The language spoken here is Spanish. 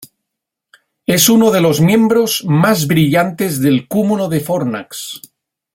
Es uno de los miembros más brillantes del Cúmulo de Fornax.